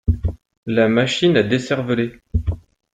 La Machine à décerveler.